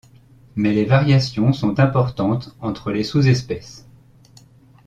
Mais les variations sont importantes entre les sous-espèces.